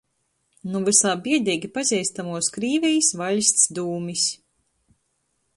Nu vysā biedeigi pazeistamuos Krīvejis vaļsts dūmis.